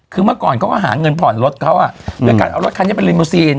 คือเมื่อก่อนเขาก็หาเงินผ่อนรถเขาอ่ะด้วยการเอารถคันนี้เป็นรีโมซีน